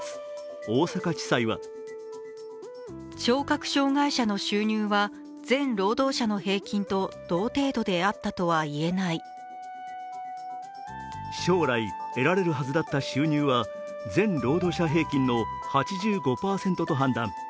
大阪地裁は将来得られるはずだった収入は全労働者平均の８５％と判断。